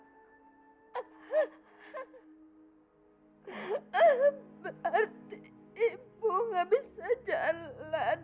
berarti ibu nggak bisa jalan